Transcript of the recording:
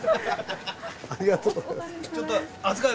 ありがとうございます。